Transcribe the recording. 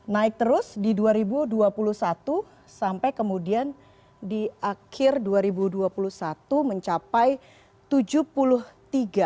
naik terus di dua ribu dua puluh satu sampai kemudian di akhir dua ribu dua puluh satu mencapai rp tujuh puluh tiga persen